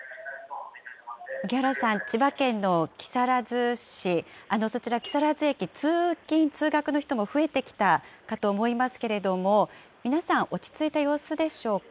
荻原さん、千葉県の木更津市、そちら木更津駅、通勤・通学の人も増えてきたかと思いますけれども、皆さん、落ち着いた様子でしょうか。